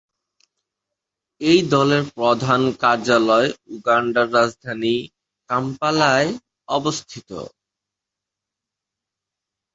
এই দলের প্রধান কার্যালয় উগান্ডার রাজধানী কাম্পালায় অবস্থিত।